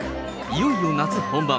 いよいよ夏本番。